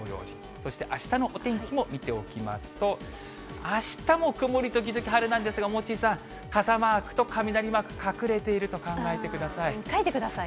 そして、あしたのお天気も見ておきますと、あしたも曇り時々晴れなんですが、モッチーさん、傘マークと雷マーク、隠れていると考えてください。